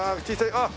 あっ！